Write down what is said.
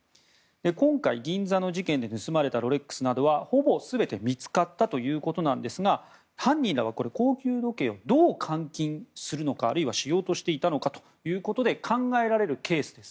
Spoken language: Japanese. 今回、銀座の事件で盗まれたロレックスなどはほぼ全て見つかったということですが犯人らは高級時計をどう換金するのかあるいはしようとしていたのか考えられるケース。